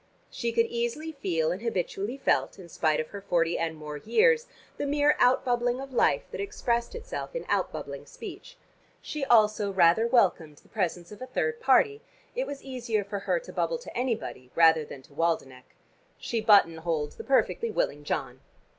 She could easily feel and habitually felt, in spite of her forty and more years, the mere out bubbling of life that expressed itself in out bubbling speech. She also rather welcomed the presence of a third party: it was easier for her to bubble to anybody rather than to Waldenech. She buttonholed the perfectly willing John.